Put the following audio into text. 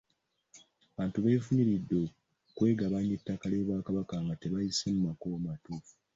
Abantu abeefunyiridde okwegabanya ettaka ly’Obwakabaka nga tebayise mu makubo matuufu.